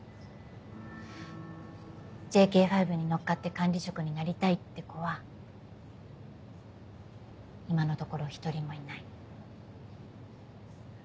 ＪＫ５に乗っかって管理職になりたいって子は今のところ一人もいない。